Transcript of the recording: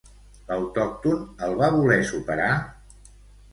L'autòcton el va voler superar?